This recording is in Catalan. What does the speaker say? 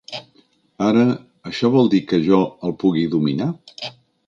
Ara, això vol dir que jo el pugui dominar?